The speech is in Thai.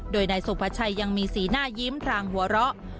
โดยนายสุภาชัยยังมีสีหน้ายิ้มทางหัวเราะ